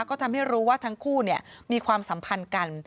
ก็ทำให้รู้ว่าทั้งคู่มีความสัมพันธ์กัน